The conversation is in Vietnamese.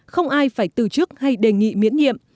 không ai phải từ chức hay đề nghị miễn nhiệm